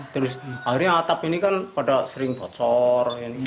terus akhirnya atap ini kan pada sering bocor